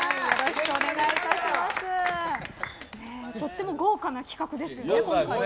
とても豪華な企画ですよね、今回。